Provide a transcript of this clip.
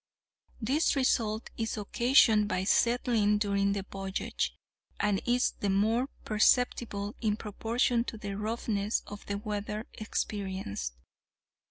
This result is occasioned by settling during the voyage, and is the more perceptible in proportion to the roughness of the weather experienced.